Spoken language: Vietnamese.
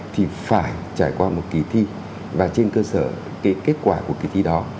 thì phải trải qua một kỳ thi và trên cơ sở cái kết quả của kỳ thi đó